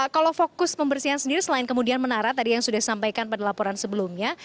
kalau fokus pembersihan sendiri selain kemudian menara tadi yang sudah disampaikan pada laporan sebelumnya